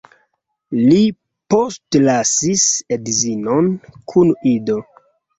Li postlasis edzinon kun ido.